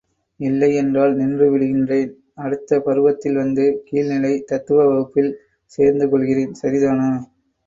இல்லையென்றால் நின்று விடுகின்றேன் அடுத்த பருவத்தில் வந்து, கீழ் நிலை, தத்துவ வகுப்பில் சேர்ந்து கொள்கிறேன், சரிதானா?